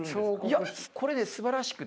いやこれねすばらしくて。